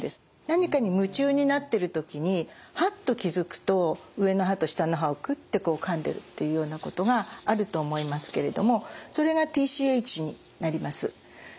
何かに夢中になってる時にはっと気付くと上の歯と下の歯をくってこうかんでるっていうようなことがあると思いますけれどもそれがＴＣＨになります。